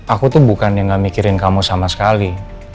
aku tuh bukan yang gak mikirin kamu sama sekali